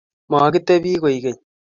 Magitebi koek keny